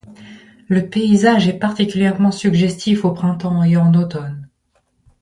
Le paysage est particulièrement suggestif au printemps et en automne.